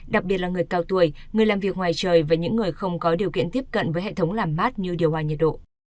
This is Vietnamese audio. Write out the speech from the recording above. đặc biệt là người cao tuổi người làm việc ngoài trời và những người không có điều kiện tiếp cận với hệ thống làm mát như điều hòa nhiệt độ